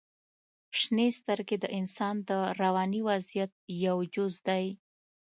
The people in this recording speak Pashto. • شنې سترګې د انسان د رواني وضعیت یو جز دی.